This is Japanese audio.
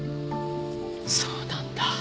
そうなんだ。